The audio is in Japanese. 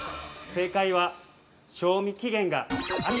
◆正解は、賞味期限がある。